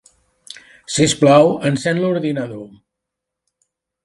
Sisplau, encén l'ordinador.